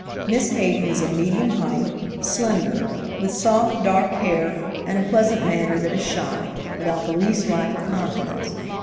Miss Hayden is of medium height, slender, with soft, dark hair, and a pleasant manner that is shy, without the least lack of confidence.